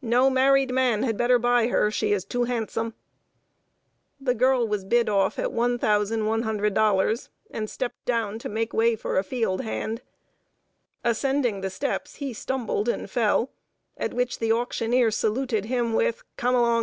No married man had better buy her; she is too handsome." The girl was bid off at $1,100, and stepped down to make way for a field hand. Ascending the steps, he stumbled and fell, at which the auctioneer saluted him with "Come along, G d d n you!"